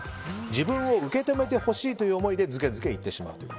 自分を受け止めてほしいという思いでずけずけ言ってしまう。